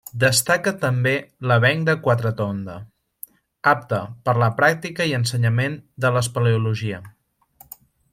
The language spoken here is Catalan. Destaca també l'Avenc de Quatretonda, apte per a la pràctica i ensenyament de l'espeleologia.